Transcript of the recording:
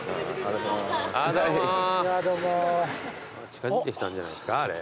近づいてきたんじゃないですかあれ。